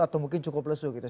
atau mungkin cukup lesu gitu